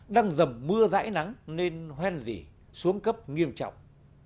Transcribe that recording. đang dầm mưa rãi nắng nên hoen dỉ xuống cấp nghiêm trọng